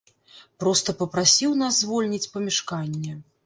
Проста папрасіў нас звольніць памяшканне.